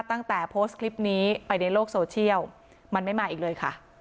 ตั้งแต่โพสต์คลิปนี้ไปในโลกโซเชียลมันไม่มาอีกเลยค่ะ